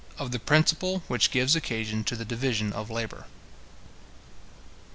OF THE PRINCIPLE WHICH GIVES OCCASION TO THE DIVISION OF LABOUR.